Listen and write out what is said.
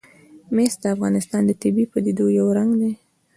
مس د افغانستان د طبیعي پدیدو یو رنګ دی.